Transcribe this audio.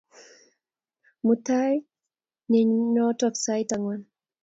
Mutai nyeonetok sait ang'wan